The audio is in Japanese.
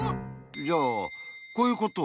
じゃあこういうこと？